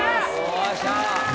よっしゃ！